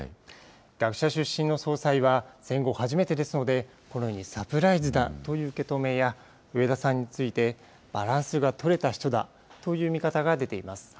学者出身の総裁は戦後初めてですので、このようにサプライズだという受け止めや、植田さんについて、バランスが取れた人だという見方が出ています。